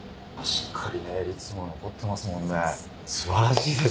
しっかり率も残っていますもんね。